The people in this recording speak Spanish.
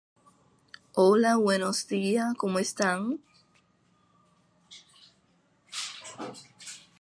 Al finalizar la Batalla del Portete de Tarqui fue firmado el Tratado de Girón.